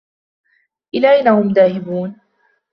إلى أين هم ذاهبون ؟